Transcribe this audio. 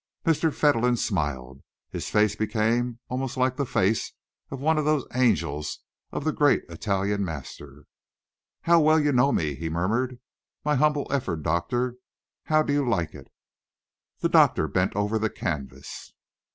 Mr. Fentolin smiled. His face became almost like the face of one of those angels of the great Italian master. "How well you know me!" he murmured. "My humble effort, Doctor how do you like it?" The doctor bent over the canvas.